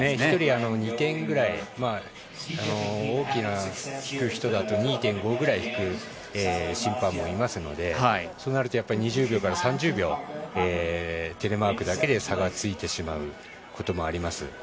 １人２点ぐらい大きく引く人だと２．５くらい引く審判もいますのでそうなると、２０秒から３０秒テレマークだけで差がついてしまうこともあります。